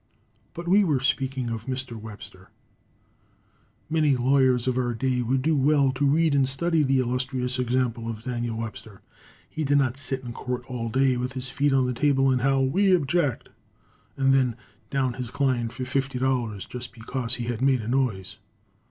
But we were speaking of Webster. Many lawyers of our day would do well to read and study the illustrious example of Daniel Webster. He did not sit in court all day with his feet on the table and howl, "We object," and then down his client for $50, just because he had made a noise.